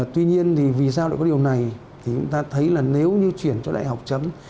tuy nhiên thì vì sao lại có điều này thì chúng ta thấy là nếu như chuyển cho đại học chấm